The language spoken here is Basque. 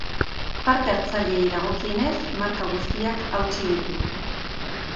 Parte hartzaileei dagokienez, marka guztiak hautsi ditu.